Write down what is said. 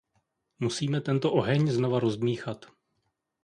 Musíme tento oheň znova rozdmýchat.